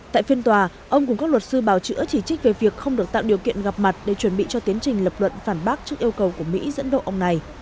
tại phiên tòa ông cùng các luật sư bào chữa chỉ trích về việc không được tạo điều kiện gặp mặt để chuẩn bị cho tiến trình lập luận phản bác trước yêu cầu của mỹ dẫn độ ông này